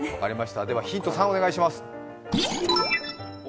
ではヒント３をお願いします。